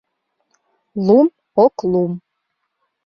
Лум ок лум.